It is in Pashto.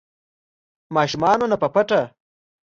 ماشومانو نه په پټه